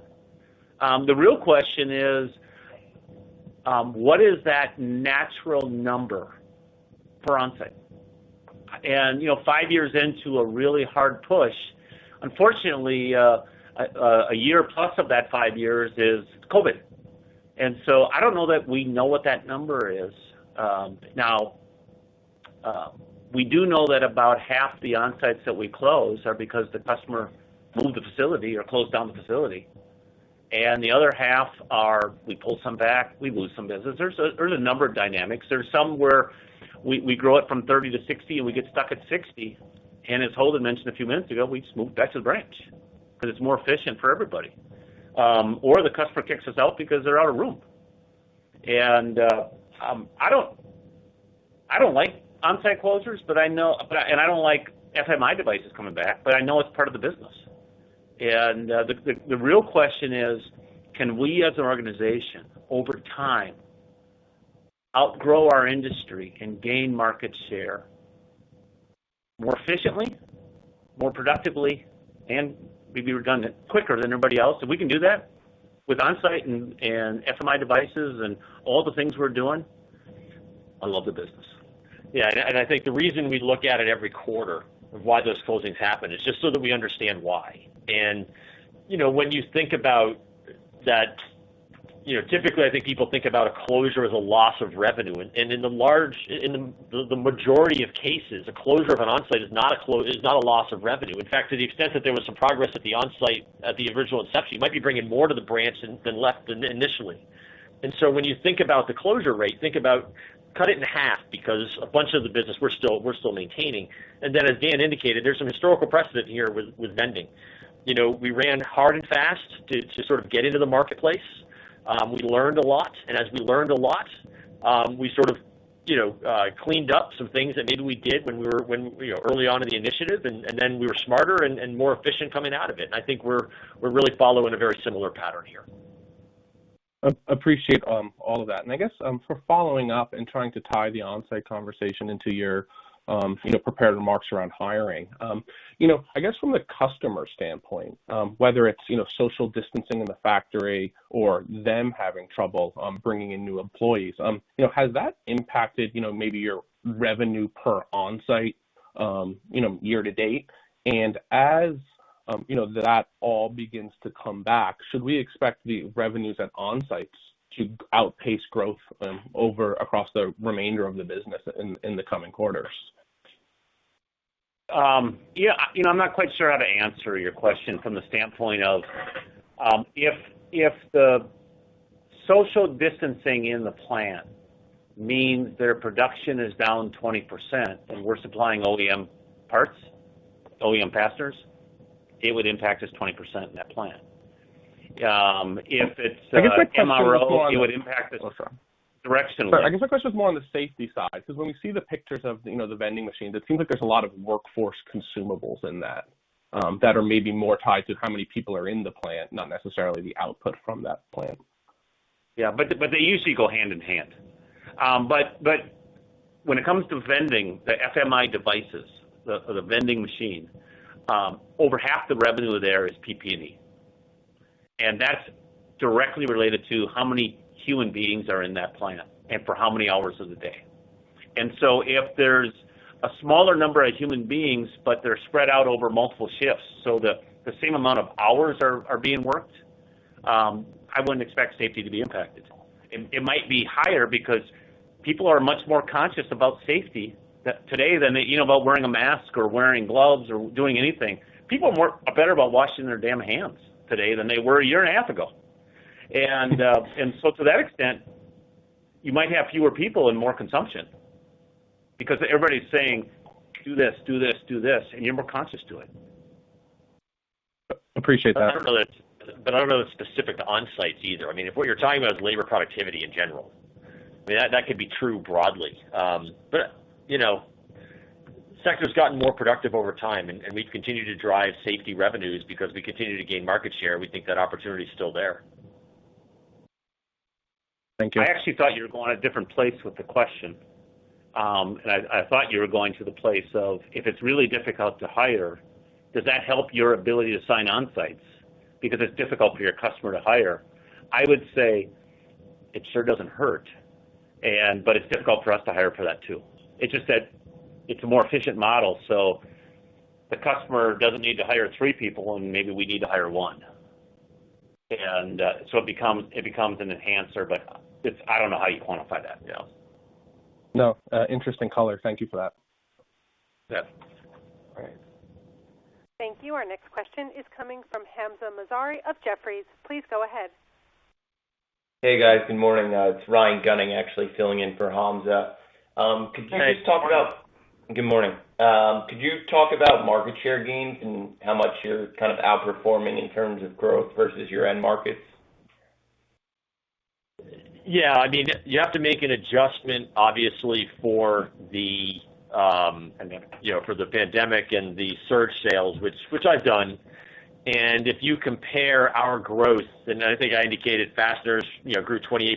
The real question is, what is that natural number for Onsite? Five years into a really hard push, unfortunately, a year plus of that five years is COVID. I don't know that we know what that number is. We do know that about half the Onsites that we close are because the customer moved the facility or closed down the facility, and the other half are, we pull some back, we lose some business. There's a number of dynamics. There's some where we grow it from 30% to 60%, and we get stuck at 60%, and as Holden mentioned a few minutes ago, we just moved back to the branch because it's more efficient for everybody. The customer kicks us out because they're out of room. I don't like Onsite closures, and I don't like FMI devices coming back, but I know it's part of the business. The real question is, can we as an organization, over time, outgrow our industry and gain market share more efficiently, more productively, and maybe redundant quicker than anybody else? If we can do that with Onsite and FMI devices and all the things we're doing, I love the business. Yeah, I think the reason we look at it every quarter of why those closings happen is just so that we understand why. When you think about that, typically, I think people think about a closure as a loss of revenue. In the majority of cases, a closure of an Onsite is not a loss of revenue. In fact, to the extent that there was some progress at the Onsite at the original inception, you might be bringing more to the branch than left initially. When you think about the closure rate, think about cut it in half because a bunch of the business we're still maintaining. Then as Dan indicated, there's some historical precedent here with vending. We ran hard and fast to sort of get into the marketplace. We learned a lot, and as we learned a lot, we sort of cleaned up some things that maybe we did early on in the initiative, and then we were smarter and more efficient coming out of it. I think we're really following a very similar pattern here. Appreciate all of that. I guess for following up and trying to tie the Onsite conversation into your prepared remarks around hiring, I guess from a customer standpoint, whether it's social distancing in the factory or them having trouble bringing in new employees, has that impacted maybe your revenue per Onsite year-to-date? As that all begins to come back, should we expect the revenues at Onsites to outpace growth across the remainder of the business in the coming quarters? Yeah. I'm not quite sure how to answer your question from the standpoint of if the social distancing in the plant means their production is down 20% and we're supplying OEM parts, OEM fasteners, it would impact us 20% in that plant. I guess my question was more on. Directionally. I guess my question is more on the safety side, because when you see the pictures of the vending machines, it seems like there's a lot of workforce consumables in that are maybe more tied to how many people are in the plant, not necessarily the output from that plant. Yeah, but they usually go hand in hand. When it comes to vending the FMI devices, the vending machines, over half the revenue there is PPE, and that's directly related to how many human beings are in that plant and for how many hours of the day. If there's a smaller number of human beings, but they're spread out over multiple shifts, so the same amount of hours are being worked, I wouldn't expect safety to be impacted at all. It might be higher because people are much more conscious about safety today than about wearing a mask or wearing gloves or doing anything. People are better about washing their damn hands today than they were a year and a half ago. To that extent, you might have fewer people and more consumption because everybody's saying, do this, do this, do this, and you're more conscious to it. Appreciate that. I don't know the specific Onsites either. If what you're talking about is labor productivity in general, that could be true broadly. The sector's gotten more productive over time, and we continue to drive safety revenues because we continue to gain market share, and we think that opportunity's still there. Thank you. I actually thought you were going a different place with the question. I thought you were going to the place of, if it's really difficult to hire, does that help your ability to sign Onsites because it's difficult for your customer to hire? I would say it sure doesn't hurt, but it's difficult for us to hire for that too. It's just that it's a more efficient model, so the customer doesn't need to hire three people when maybe we need to hire one. It becomes an enhancer, but I don't know how you quantify that, [Dale]. No. Interesting color. Thank you for that. Yeah. All right. Thank you. Our next question is coming from Hamzah Mazari of Jefferies. Please go ahead. Hey, guys. Good morning. It's Ryan Gunning actually filling in for Hamzah. Hey, Ryan. Good morning. Good morning. Could you talk about market share gains and how much you're kind of outperforming in terms of growth versus your end markets? Yeah. You have to make an adjustment, obviously, for the pandemic and the surge sales, which I've done. If you compare our growth, I think I indicated Fasteners grew 28%,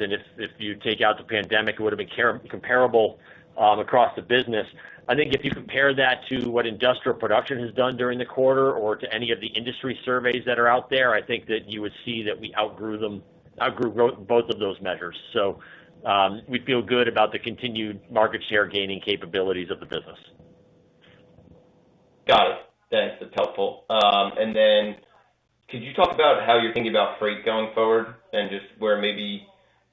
and if you take out the pandemic, it would've been comparable across the business. I think if you compare that to what industrial production has done during the quarter or to any of the industry surveys that are out there, I think that you would see that we outgrew both of those measures. We feel good about the continued market share gaining capabilities of the business. Got it. Thanks. That's helpful. Could you talk about how you think about freight going forward and just where maybe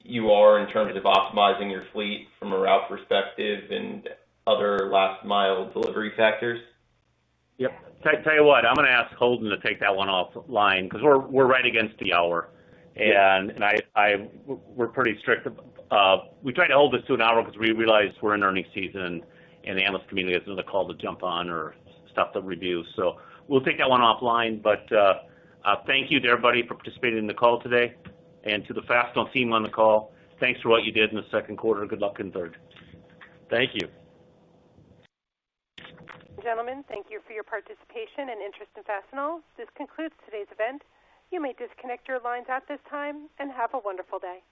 you are in terms of optimizing your fleet from a route perspective and other last-mile delivery factors? Yep. I tell you what, I'm going to ask Holden to take that one offline because we're right against the hour. We try to hold it to an hour because we realize we're in earnings season. The analyst community has another call to jump on or stuff to review. We'll take that one offline. Thank you to everybody for participating in the call today, and to the Fastenal team on the call, thanks for what you did in the second quarter. Good luck in third. Thank you. Gentlemen, thank you for your participation and interest in Fastenal. This concludes today's event. You may disconnect your lines at this time, and have a wonderful day.